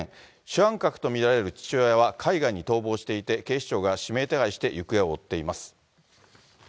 主犯格と見られる父親は海外に逃亡していて、警視庁が指名手配して行方を追っています。